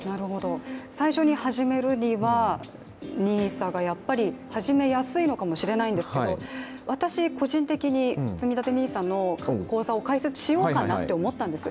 最初に始めるには、ＮＩＳＡがやっぱり始めやすいかもしれないんですけど私個人的に、つみたてＮＩＳＡの口座を開設しようかなと思ったんです。